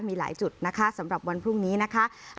มีหลายจุดนะคะสำหรับวันพรุ่งนี้นะคะ